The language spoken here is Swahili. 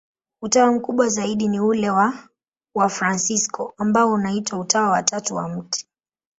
Utawa mkubwa zaidi ni ule wa Wafransisko, ambao unaitwa Utawa wa Tatu wa Mt.